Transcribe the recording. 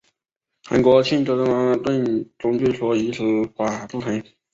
韩国庆州的妈妈钟据说以此法铸成。